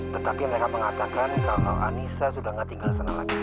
tetapi mereka mengatakan kalau anissa sudah tidak tinggal sana lagi